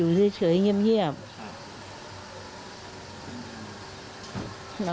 ลูกสาวกันโตเข้าไปทำงานแล้ว